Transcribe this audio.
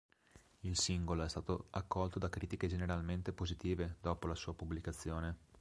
Il singolo è stato accolto da critiche generalmente positive dopo la sua pubblicazione.